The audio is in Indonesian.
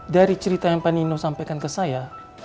dari cerita yang pak nino sampaikan ke saya